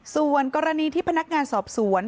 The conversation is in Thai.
ส่วนกรณีที่พนักงานสอบสวน